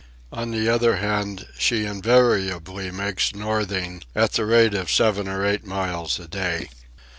On the other hand she invariably makes northing at the rate of seven or eight miles a day.